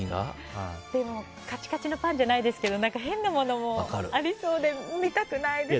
でも、カチカチのパンじゃないですけど、変なものもありそうで見たくないです。